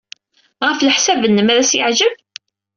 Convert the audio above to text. Ɣef leḥsab-nnem, ad as-yeɛjeb?